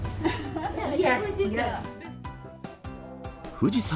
富士山。